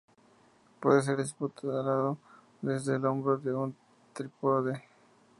Puede ser disparado desde el hombro o un trípode.